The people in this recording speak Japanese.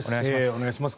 お願いします。